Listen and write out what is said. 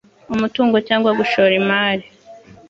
umutungo cyangwa gushora imari